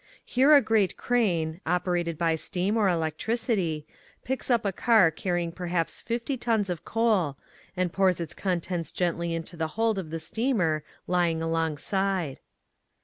Here a great crane, oper ated by steam or electricity, picks up a car carrying perhaps 50 tons of coal and pours its contents gently into the hold of the steamer lying alongside.